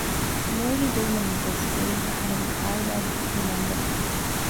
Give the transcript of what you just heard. ލޭގެ ގުޅުމެއްނެތަސް އެއީ އަހަރެންގެ ޢާއިލާގެ ދެ މެމްބަރުން